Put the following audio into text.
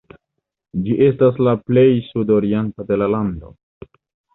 Ĝi estas la plej sudorienta de la lando.